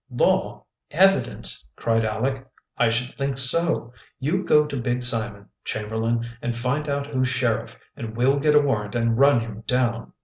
"Law! Evidence!" cried Aleck. "I should think so. You go to Big Simon, Chamberlain, and find out who's sheriff, and we'll get a warrant and run him down.